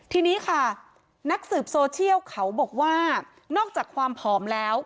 ทีนี้ค่ะนักสืบโซเชียลเขาบอกว่านอกจากความผอมแล้ว